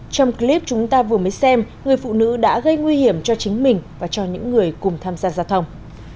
trong clip chúng ta vừa mới xem người phụ nữ đã gây nguy hiểm cho chính mình và cho những người cùng tham gia giao thông